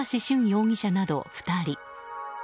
容疑者など２人。